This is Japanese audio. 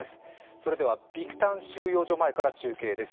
それでは、ビクタン収容所前から中継です。